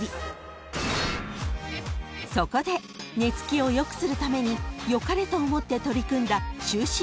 ［そこで寝付きを良くするために良かれと思って取り組んだ就寝前の行動］